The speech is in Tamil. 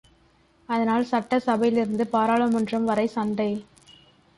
அதனால் சட்ட சபையிலிருந்து பாராளுமன்றம் வரை சண்டை!